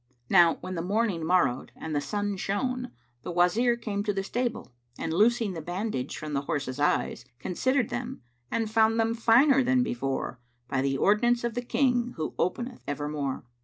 Now when the morning morrowed and the sun shone, the Wazir came to the stable and, loosing the bandage from the horse's eyes considered them and found them finer than before, by the ordinance of the King who openeth evermore.